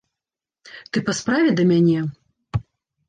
Ты па справе да мяне?